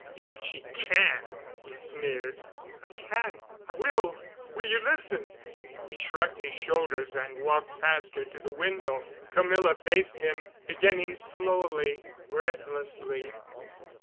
"If she can," he sneered. "I can—I will. Will you listen?" He shrugged his shoulders and walked past her to the window. Camilla faced him, beginning slowly, breathlessly.